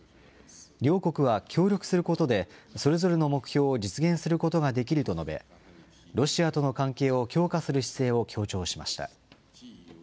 両国は協力することで、それぞれの目標を実現することができると述べ、ロシアとの関係を強化する姿勢を強調しました。